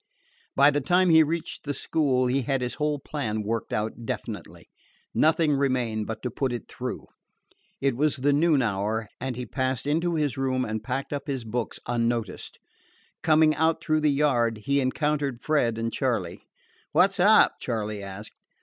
By the time he reached the school he had his whole plan worked out definitely. Nothing remained but to put it through. It was the noon hour, and he passed in to his room and packed up his books unnoticed. Coming out through the yard, he encountered Fred and Charley. "What 's up?" Charley asked.